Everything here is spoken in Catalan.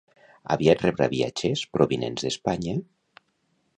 Aviat rebrà viatgers provinents d'Espanya?